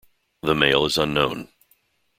The male is unknown.